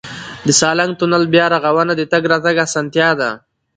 د سالنګ تونل بیا رغونه د تګ راتګ اسانتیا ده.